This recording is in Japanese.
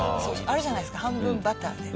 あるじゃないですか半分バターで。